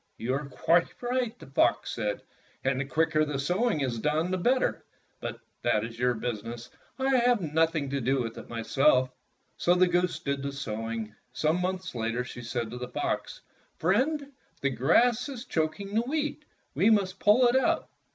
"You are quite right," the fox said, "and the quicker the sowing is done the better. But that is your business. I have nothing to do with it myseh." So the goose did the sowing. Some months later she said to the fox, "Friend, the grass is choking the wheat. We must pull it out."